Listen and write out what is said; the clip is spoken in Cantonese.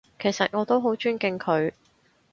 其實我都好尊敬佢